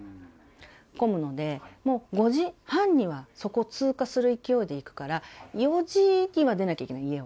混むので、もう５時半にはそこを通過する勢いで行くから、４時には出なきゃいけない、家を。